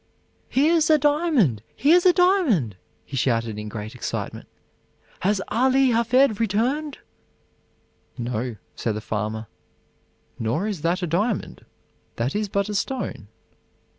"Here's a diamond! here's a diamond!" he shouted in great excitement. "Has Ali Hafed returned?" "No," said the farmer, "nor is that a diamond. That is but a stone."